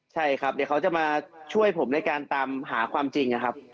ใช่ครับเดี๋ยวเขาจะมาช่วยผมในการตามหาความจริงนะครับ